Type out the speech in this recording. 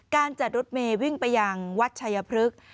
การจัดรถเมย์วิ่งไปยังวัดชายพฤกษ์